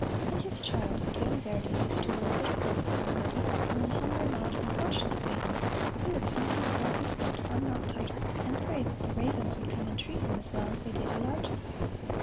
In his childhood young Verdi used to wear a bit of rope for a girdle, and when hunger gnawed importunately, he would simply pull his belt one knot tighter, and pray that the ravens would come and treat him as well as they did Elijah.